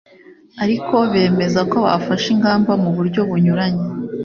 ariko bemeza ko bafashe ingamba mu buryo bunyuranye